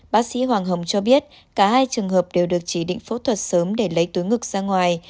bác sĩ hoàng hồng cho biết cả hai trường hợp đều được chỉ định phẫu thuật sớm để lấy túi ngực ra ngoài